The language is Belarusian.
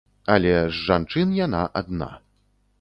Але з жанчын яна адна.